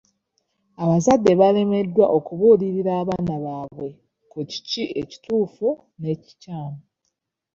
Abazadde balemeddwa okubuulirira abaana baabwe ku kiki ekituufu n'ekikyamu.